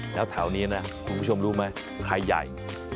แล้วแถวนี้นะคุณผู้ชมรู้ไหมใครใหญ่